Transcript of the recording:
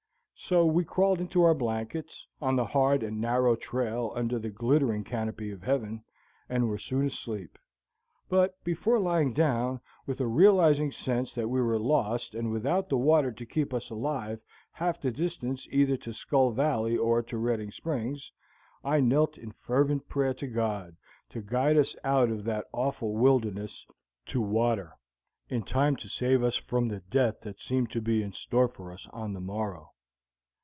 So we crawled into our blankets, on the hard and narrow trail under the glittering canopy of heaven, and were soon asleep. But, before lying down, with a realizing sense that we were lost and without the water to keep us alive half the distance either to Skull Valley or to Redding Springs, I knelt in fervent prayer to God to guide us out of that awful wilderness to water in time to save us from the death that seemed to be in store for us on the morrow.